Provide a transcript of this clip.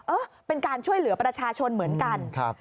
เออเป็นการช่วยเหลือประชาชนเหมือนกันครับ